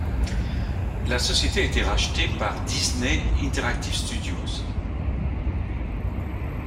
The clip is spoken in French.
La société a été rachetée le par Disney Interactive Studios.